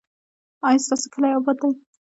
ایا ستاسو کلی اباد دی؟